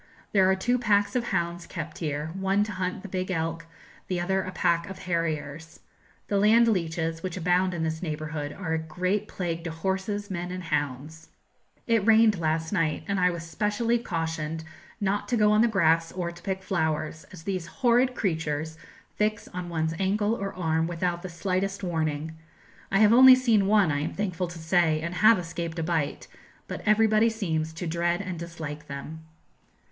There are two packs of hounds kept here, one to hunt the big elk, the other a pack of harriers. The land leeches, which abound in this neighbourhood, are a great plague to horses, men, and hounds. It rained last night, and I was specially cautioned not to go on the grass or to pick flowers, as these horrid creatures fix on one's ankle or arm without the slightest warning. I have only seen one, I am thankful to say, and have escaped a bite; but everybody seems to dread and dislike them.